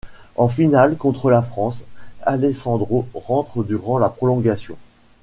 En finale, contre la France, Alessandro rentre durant la prolongation.